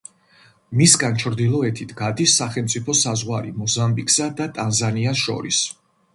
მისგან ჩრდილოეთით გადის სახელმწიფო საზღვარი მოზამბიკსა და ტანზანიას შორის.